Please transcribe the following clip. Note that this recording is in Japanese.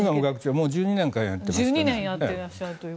もう１２年間やってますかね。